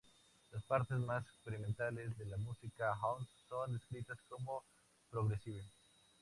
Las partes más experimentales de la música house son descritas cómo "progressive".